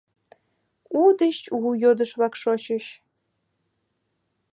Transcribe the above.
У деч у йодыш-влак шочыч.